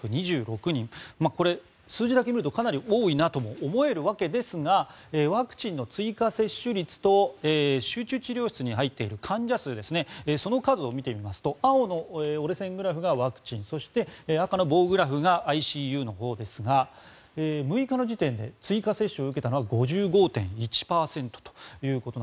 これ、数字だけ見るとかなり多いなと思えるわけですがワクチンの追加接種率と集中治療室に入っている患者数その数を見てみますと青の折れ線グラフがワクチンそして赤の棒グラフがＩＣＵのほうですが６日の時点で追加接種を受けたのは５５．１％と。